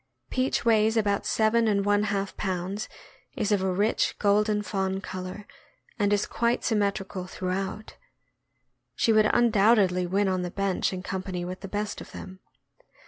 Peach weighs about seven and one half pounds, is of a rich, golden fawn color, and is quite symmetrical through out. She would undoubtedly win on the bench in com pany with the best of them.